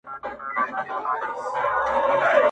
چي په ټولو حیوانانو کي نادان وو٫